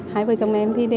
hai vợ chồng em thì đều